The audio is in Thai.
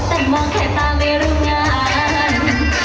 แต่มองแค่ตาไม่รู้งาน